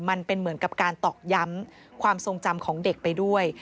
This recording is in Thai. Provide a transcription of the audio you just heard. เหมือนกับการตอกย้ำความทรงจำของเด็กไปด้วย